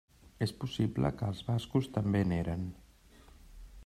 És possible que els bascos també n'eren.